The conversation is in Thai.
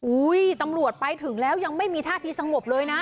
ตำรวจไปถึงแล้วยังไม่มีท่าทีสงบเลยนะ